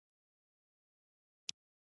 دا کار ګڼ شمېر ستونزې او مشکلات لري